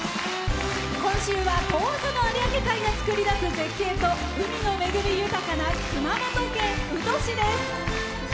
今週は遠浅の有明海が作り出す絶景と、海の恵み豊かな熊本県宇土市です。